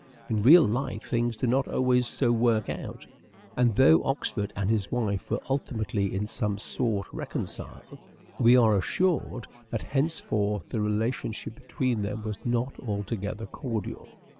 In real life things do not always so work out, and though Oxford and his wife were ultimately, in some sort, EARLY MANHOOD OF EDWARD DE VERE 285 reconciled, we are assured that henceforth the relation ship between them was not altogether cordial.